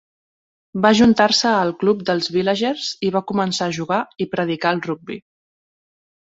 Va ajuntar-se al club dels Villagers i va començar a jugar i predicar el rugbi.